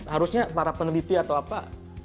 harusnya para peneliti atau apa